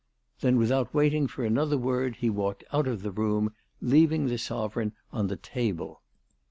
Then without waiting for another word he walked out of the room, leaving the sovereign on the table.